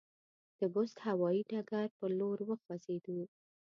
د بُست هوایي ډګر پر لور وخوځېدو.